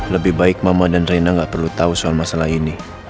lebih baik mama dan rena nggak perlu tahu soal masalah ini